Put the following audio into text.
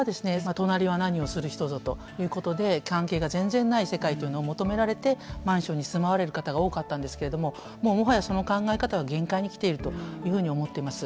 隣は何をする人ぞということで関係が全然ない世界というのを求められてマンションに住まわれる方が多かったんですけれどももうもはやその考え方は限界に来ているというふうに思っています。